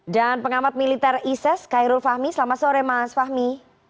dan pengamat militer isis khairul fahmi selamat sore mas fahmi